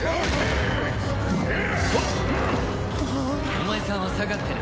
お前さんは下がってな。